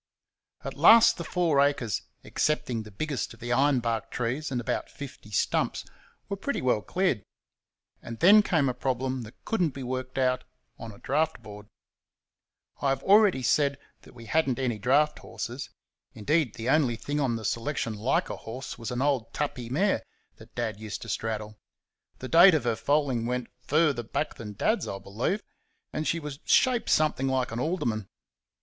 At last the four acres excepting the biggest of the iron bark trees and about fifty stumps were pretty well cleared; and then came a problem that could n't be worked out on a draught board. I have already said that we had n't any draught horses; indeed, the only thing on the selection like a horse was an old "tuppy" mare that Dad used to straddle. The date of her foaling went further back than Dad's, I believe; and she was shaped something like an alderman.